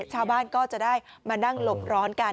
ชาวบ้านก็จะได้มานั่งหลบร้อนกัน